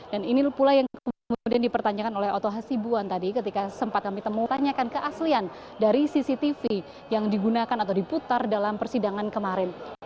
dan ini pula yang kemudian dipertanyakan oleh oto hasibawa tadi ketika sempat kami temukan tanyakan keaslian dari cctv yang digunakan atau diputar dalam persidangan kemarin